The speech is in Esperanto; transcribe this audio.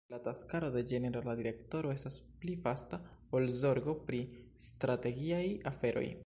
La taskaro de Ĝenerala Direktoro estas pli vasta ol zorgo pri strategiaj aferoj.